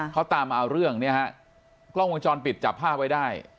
เขาตามมาเอาเรื่องเนี่ยฮะกล้องวงจรปิดจับภาพไว้ได้